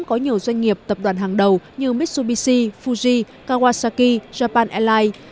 có nhiều doanh nghiệp tập đoàn hàng đầu như mitsubishi fuji kawasaki japan airlines